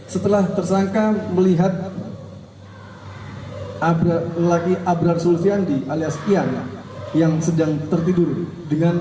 setelah tersangka melihat laki laki abraar sulfiandi alias iyana yang sedang tertidur dengan